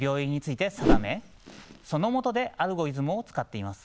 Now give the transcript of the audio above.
そのもとでアルゴリズムを使っています。